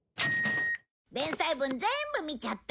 連載分全部見ちゃったね。